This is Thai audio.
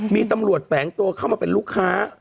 มีตำรวจแฝงตัวเข้ามาเป็นลูกค้า